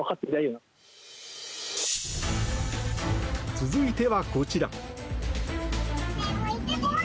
続いてはこちら。